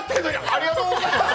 ありがとうございます。